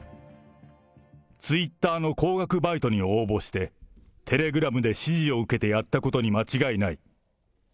ツイッターの高額バイトに応募して、テレグラムで指示を受けてやったことに間違いない。